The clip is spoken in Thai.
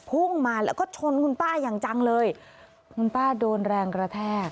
พุ่งมาแล้วก็ชนคุณป้าอย่างจังเลยคุณป้าโดนแรงกระแทก